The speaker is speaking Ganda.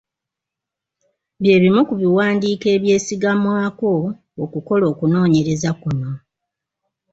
Bye bimu ku biwandiiko ebyesigamwako okukola okunoonyereza kuno.